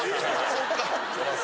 そっか。